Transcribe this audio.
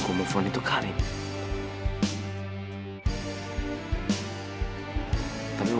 saya pasti saya tertahan